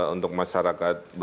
untuk masyarakat berpengalaman